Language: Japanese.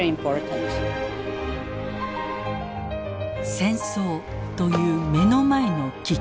戦争という目の前の危機。